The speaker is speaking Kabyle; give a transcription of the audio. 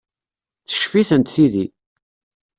Teccef-itent tidi.